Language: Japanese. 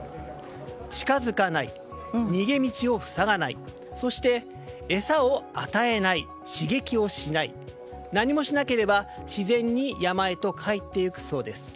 近づかない逃げ道を塞がないそして餌を与えない刺激をしない、何もしなければ自然に山へと帰っていくそうです。